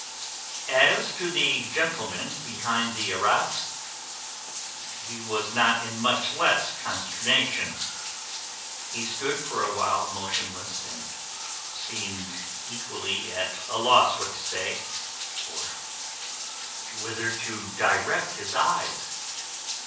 As to the gentleman behind the arras, he was not in much less consternation. He stood for a while motionless, and seemed equally at a loss what to say, or whither to direct his eyes.